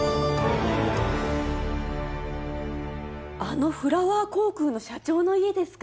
あのフラワー航空の社長の家ですか？